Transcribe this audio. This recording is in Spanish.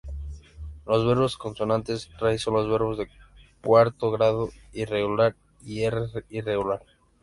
Los verbos consonante-raíz son los verbos de cuarto grado, N-irregular y R-irregular.